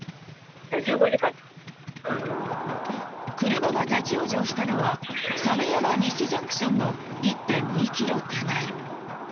車が立ち往生したのは亀山西ＪＣＴの１．２ｋｍ手前。